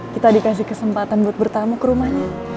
kita dikasih kesempatan buat bertamu ke rumahnya